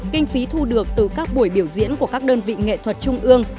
kinh phí thu được từ các buổi biểu diễn của các đơn vị nghệ thuật trung ương